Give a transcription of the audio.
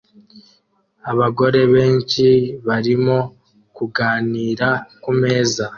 Abagore benshi barimo kuganira kumeza